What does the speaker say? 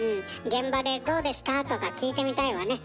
「現場でどうでした？」とか聞いてみたいわね。